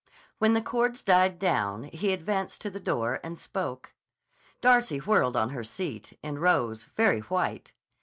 When the chords died down he advanced to the door and spoke. Darcy whirled on her seat, and rose, very white.